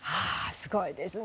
すごいですね。